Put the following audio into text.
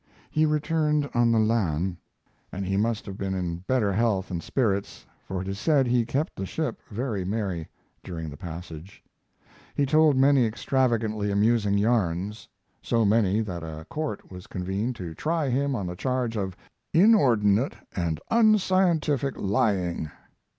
He returned on the Lahn, and he must have been in better health and spirits, for it is said he kept the ship very merry during the passage. He told many extravagantly amusing yarns; so many that a court was convened to try him on the charge of "inordinate and unscientific lying."